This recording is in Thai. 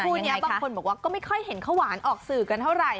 คู่นี้บางคนบอกว่าก็ไม่ค่อยเห็นข้าวหวานออกสื่อกันเท่าไหร